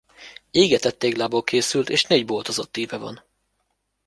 Égetett téglából készült és négy boltozott íve van.